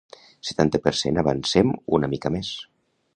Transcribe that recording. Setanta per cent Avancem una mica més.